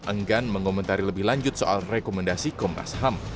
enggan mengomentari lebih lanjut soal rekomendasi komnas ham